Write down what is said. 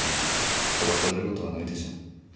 吹っ飛ばされる事はないでしょ。